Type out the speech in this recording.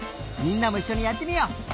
みんなもいっしょにやってみよう！